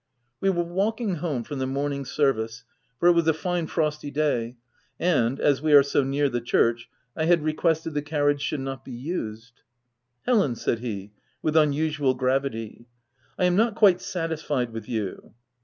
We were walking home from the morning service — for it was a fine frosty day, and, as we are so near the church, I had requested the carriage should not be used :—" Helen," said he, with unusual gravity, " I am not quite satisfied with you."